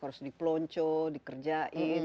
harus dipelonco dikerjain